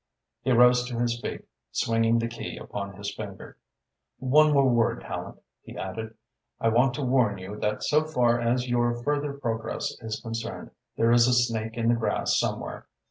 He rose to his feet, swinging the key upon his finger. "One more word, Tallente," he added. "I want to warn you that so far as your further progress is concerned, there is a snake in the grass somewhere.